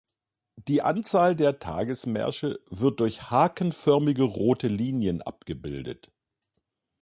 Die Anzahl der Tagesmärsche wird durch hakenförmige rote Linien abgebildet.